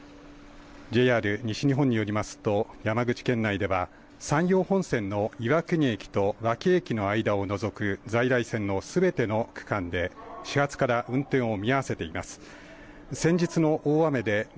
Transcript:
ＪＲ西日本によりますと、山口県内では山陽本線の岩国駅と和木駅の間を除く在来線のすべての区間で、始発から運転を見合わせています。